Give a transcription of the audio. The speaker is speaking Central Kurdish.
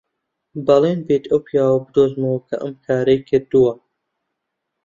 بەڵێن بێت ئەو پیاوە بدۆزمەوە کە ئەم کارەی کردووە.